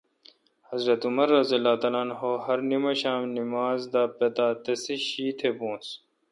حضرت عمرؓہرنماشام نمازداپتاتسیشی تہ بونس۔